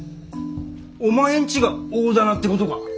お前んちが大店ってことか！？